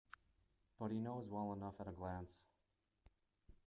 But he knows well enough at a glance.